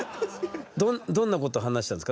どんなこと話したんですか？